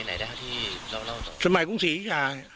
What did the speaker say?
ฐานพระพุทธรูปทองคำ